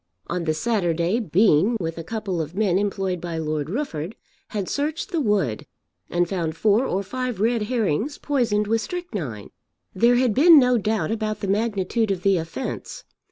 On the Saturday Bean with a couple of men employed by Lord Rufford, had searched the wood, and found four or five red herrings poisoned with strychnine. There had been no doubt about the magnitude of the offence.